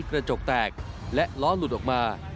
กระจกแตกและล้อหลุดออกมา